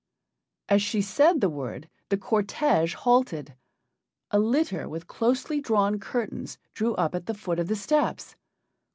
As she said the word the cortége halted. A litter, with closely drawn curtains, drew up at the foot of the steps.